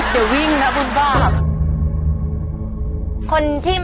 เดี๋ยววิ่งนะคุณก้าบ